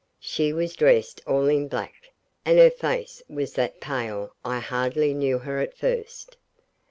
She was dressed all in black, and her face was that pale I hardly knew her at first.